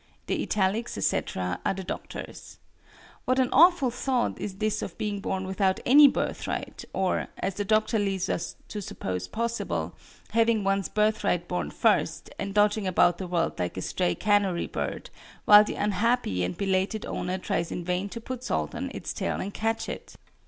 The italics, etc., are the Doctor's. What an awful thought is this of being born without any birthright, or, as the Doctor leaves us to suppose possible, having one's birthright born first, and dodging about the world like a stray canary bird, while the unhappy and belated owner tries in vain to put salt on its tail and catch it!